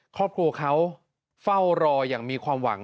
ครอบครัวเขาเฝ้ารออย่างมีความหวัง